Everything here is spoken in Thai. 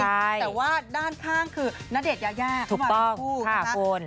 แต่ว่าด้านข้างคือณเดชนยายาเข้ามาเป็นคู่นะคะ